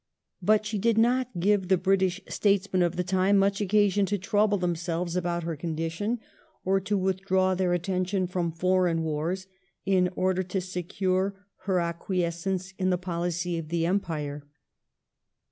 But she did not give the British statesmen of the time much occasion to trouble themselves about her condition, or to withdraw their attention from foreign wars in order to secure her acquiescence in the policy of the Empire.